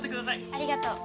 ありがとう。